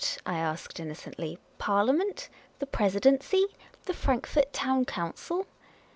I asked, innocently. "Parliament? The Presidency ? The Frankfort Town Council